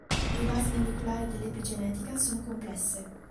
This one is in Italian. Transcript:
Le basi molecolari dell'epigenetica sono complesse.